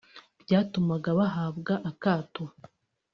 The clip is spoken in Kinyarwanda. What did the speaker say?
byatumaga bahabwa akato